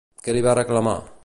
Què li va reclamar?